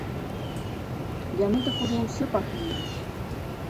Яны так ўжо ўсе пагнілі!